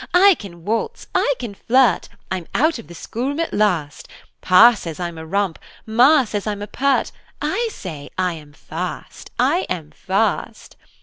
I can waltz! I can flirt! I'm out of the schoolroom at last! Pa' says I'm a romp, Ma' says I'm a pert, I say, I am fast! I am fast!